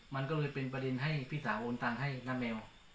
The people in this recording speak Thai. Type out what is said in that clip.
มันก็เลยเป็นประเด็นให้พี่สาวโอนตังค์ให้น้าแมว